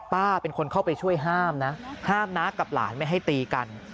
ป้าเป็นคนเข้าไปช่วยห้ามนะห้ามน้ากับหลานไม่ให้ตีกัน